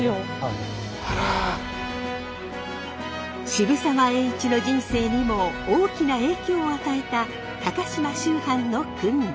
渋沢栄一の人生にも大きな影響を与えた高島秋帆の訓練。